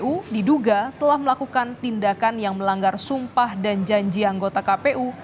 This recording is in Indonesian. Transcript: kpu diduga telah melakukan tindakan yang melanggar sumpah dan janji anggota kpu